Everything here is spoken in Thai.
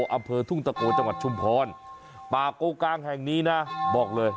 อำเภอทุ่งตะโกจังหวัดชุมพรป่าโกกลางแห่งนี้นะบอกเลย